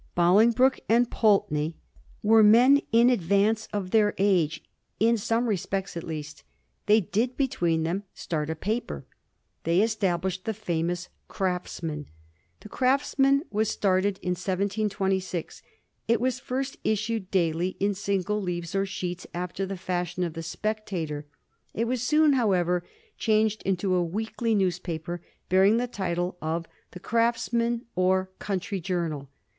Bolingbroke and Pulteney were men in advance of their age ; in some respects at least. They did between them start a paper. They estab lished the fieunous Craftsman. The Craftsman was started in 1726. It was first issued daily in single leaves or sheets after the fashion of the Spectator. It was soon, however, changed into a weekly newspaper bearing the title of the Craftsman or Country Journal.